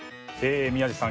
宮司さん